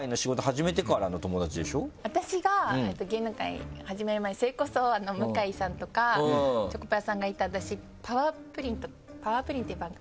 私が芸能界始める前それこそ向井さんとかチョコプラさんがいた『パワー☆プリン』っていう番組。